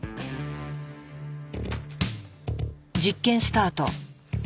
実験スタート。